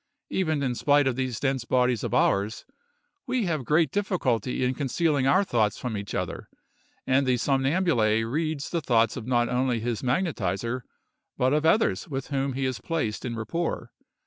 Even in spite of these dense bodies of ours, we have great difficulty in concealing our thoughts from each other; and the somnambule reads the thoughts of not only his magnetizer, but of others with whom he is placed in rapport.